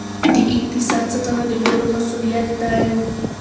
د اقتصاد ساتنه د ټولو مسؤلیت دی.